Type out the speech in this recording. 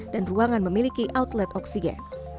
dan ruangan memiliki outlet oksigen